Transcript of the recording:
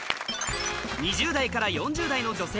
２０代から４０代の女性